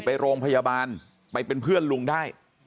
ไปโรงพยาบาลไปเป็นเพื่อนลุงได้